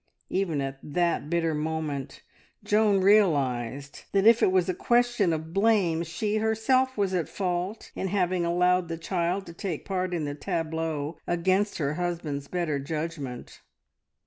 Even at that bitter moment Joan realised that if it was a question of blame, she herself was at fault in having allowed the child to take part in the tableau against her husband's better judgment.